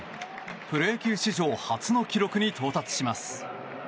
プロ野球史上初の記録に到達します。